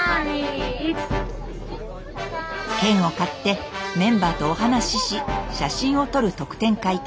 券を買ってメンバーとお話しし写真を撮る特典会。